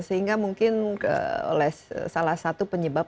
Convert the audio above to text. sehingga mungkin oleh salah satu penyebab